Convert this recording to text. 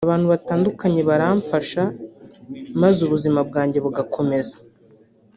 abantu batandukanye baramfasha maze ubuzima bwanjye bugakomeza